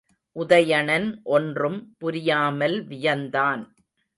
உதயணன் ஒன்றும் புரியாமல் வியந்தான்.